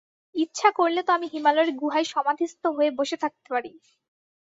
ইচ্ছা করলে তো আমি হিমালয়ের গুহায় সমাধিস্থ হয়ে বসে থাকতে পারি।